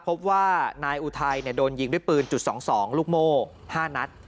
พบว่านายอุทัยโดนยิงด้วยปืนจุด๒๒ลูกโม่๕นัด